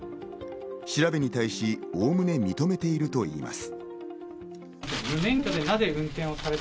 調べに対しおおむね認めているといいます。